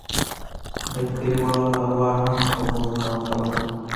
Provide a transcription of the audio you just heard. د كليوالو اروا هم په موږ نه وه خبره.